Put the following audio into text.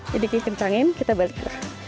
jadi kita kencangin kita balik